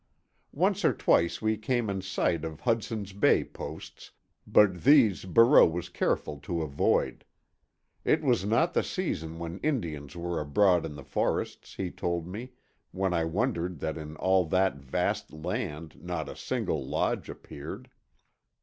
Once or twice we came in sight of Hudson's Bay posts, but these Barreau was careful to avoid. It was not the season when Indians were abroad in the forests, he told me when I wondered that in all that vast land not a single lodge appeared.